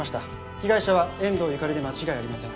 被害者は遠藤ユカリで間違いありません。